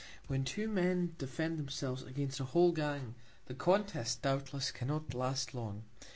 When two Men defend themselves against a whole Gang, the Contest, doubtless, cannot last long.